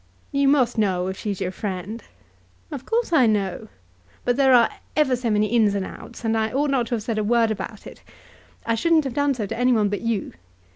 "You must know, if she's your friend." "Of course I know; but there are ever so many ins and outs, and I ought not to have said a word about it. I shouldn't have done so to any one but you.